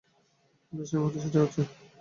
বেশ, এই মুহূর্তে সেটাই হচ্ছে।